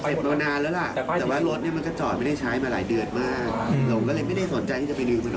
แต่เราไม่ได้ดึงป้ายออก